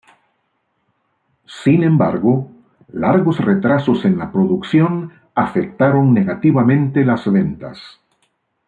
Sin embargo, largos retrasos en la producción afectaron negativamente las ventas.